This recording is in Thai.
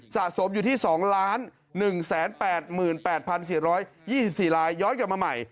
สะสมอยู่ที่๒๑๘๘๔๒๔ลายย้อนกลับมาใหม่